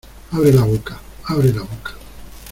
abre la boca. abre la boca .